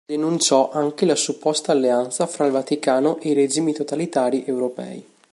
Denunciò anche la supposta alleanza fra il Vaticano e i regimi totalitari europei.